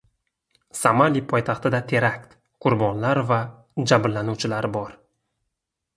Somali poytaxtida terakt: qurbonlar va jabrlanuvchilar bor